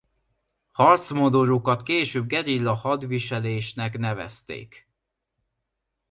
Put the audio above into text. Harcmodorukat később gerilla hadviselésnek nevezték.